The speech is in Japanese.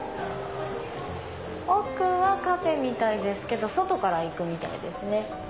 奥はカフェみたいですけど外から行くみたいですね。